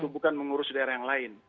bukan mengurus daerah yang lain